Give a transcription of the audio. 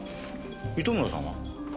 糸村さんは？